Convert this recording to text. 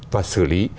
và xử lý